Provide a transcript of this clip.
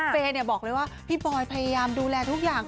เฟย์บอกเลยว่าพี่บอยพยายามดูแลทุกอย่าง